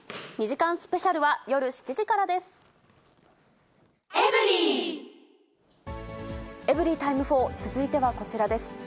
２時間スペシャルは、夜７時からです。